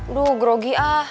aduh grogi ah